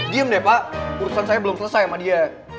diem deh pak urusan saya belum selesai sama dia